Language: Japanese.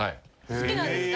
好きなんですか？